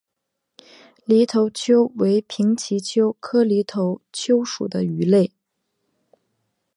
犁头鳅为平鳍鳅科犁头鳅属的鱼类。